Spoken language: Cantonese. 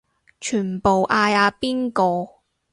全部嗌阿邊個